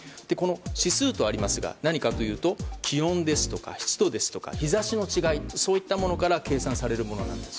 指数とありますが何かというと気温ですとか湿度ですとか日差しの違いといったものから計算されるものなんです。